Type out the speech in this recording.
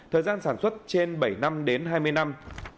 thời gian sản xuất trên bảy năm đến hai mươi năm